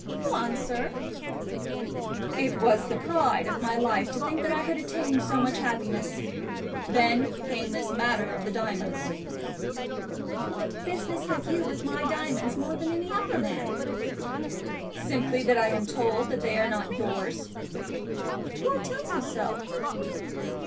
"Go on, sir." "It was the pride of my life to think that I had attained to so much happiness. Then came this matter of the diamonds." "What business have you with my diamonds, more than any other man?" "Simply that I am told that they are not yours." "Who tells you so?"